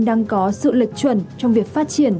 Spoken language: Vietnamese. đang có sự lật chuẩn trong việc phát triển